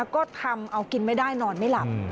ก็ทำเอากินไม่ได้นอนไม่หลับ